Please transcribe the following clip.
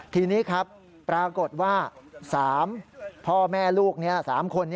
ทีนี้ครับปรากฏว่า๓พ่อแม่ลูกนี้๓คน